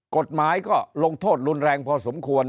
กฎหมายก็ลงโทษรุนแรงพอสมควร